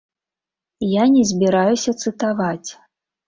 Я не збіраюся цытаваць.